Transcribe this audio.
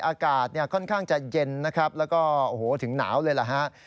อากาศค่อนข้างจะเย็นแล้วก็ถึงหนาวเลยล่ะ